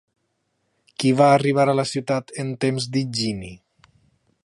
Qui va arribar a la ciutat en temps d'Higini?